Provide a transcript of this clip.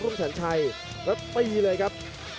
รุ่นแสนไทยแล้วไปเลยครับ